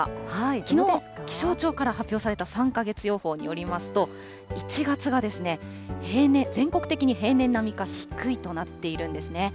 きのう、気象庁から発表された３か月予報によりますと、１月が、全国的に平年並みか低いとなっているんですね。